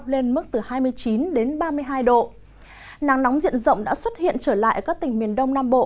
lên mức từ hai mươi chín đến ba mươi hai độ nắng nóng diện rộng đã xuất hiện trở lại ở các tỉnh miền đông nam bộ